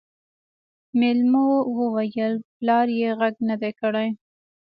مېلمو وويل پلار يې غږ نه دی کړی.